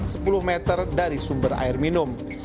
sepuluh meter dari sumber air minum